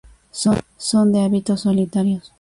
Son de hábitos solitarios.